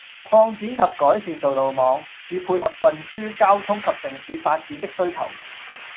擴展及改善道路網，以配合運輸交通及城市發展的需求